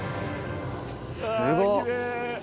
すごっ！